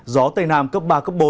gió tây nam cấp ba bốn